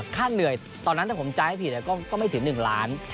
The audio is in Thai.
ค่าเหนื่อยตอนนั้นถ้าผมจ่ายให้ผิดก็ไม่ถึง๑ล้าน